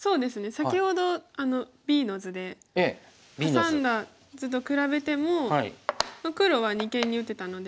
先ほどＢの図でハサんだ図と比べても黒は二間に打てたので。